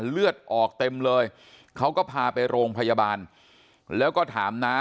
เลือดออกเต็มเลยเขาก็พาไปโรงพยาบาลแล้วก็ถามน้า